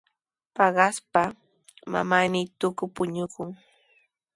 Paqaspaqa manami tuku puñunku.